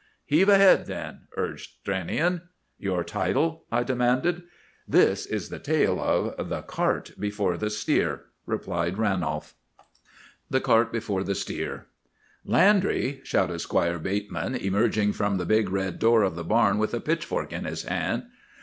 "Heave ahead, then," urged Stranion. "Your title?" I demanded. "This is the tale of 'The Cart before the Steer,'" replied Ranolf. THE CART BEFORE THE STEER. "'Landry!' shouted Squire Bateman, emerging from the big red door of the barn with a pitchfork in his hand.